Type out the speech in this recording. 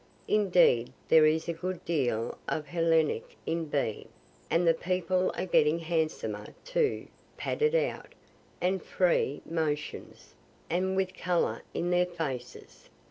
Indeed there is a good deal of the Hellenic in B., and the people are getting handsomer too padded out, with freer motions, and with color in their faces.